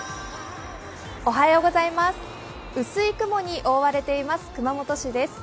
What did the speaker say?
薄い雲に覆われています熊本市です。